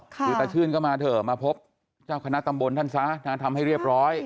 คือตาชื่นก็มาเถอะมาพบเจ้าคณะตำบลท่านซะนะทำให้เรียบร้อย